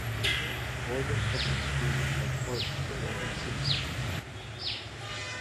Oregon Public Schools are part of the Oregon City School District.